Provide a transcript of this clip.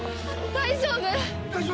大丈夫か？